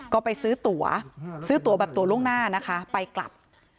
ก็ไปซื้อตั๋วซื้อตัวแบบตัวล่วงหน้านะคะไปกลับ